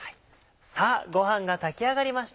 さぁご飯が炊き上がりました。